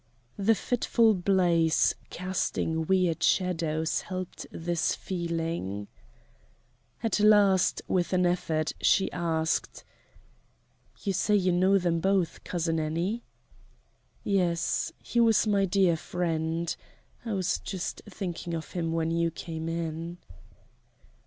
The fitful blaze casting weird shadows helped this feeling. At last, with an effort, she asked: "You say you know them both, Cousin Annie?" "Yes he was my dear friend. I was just thinking of him when you came in."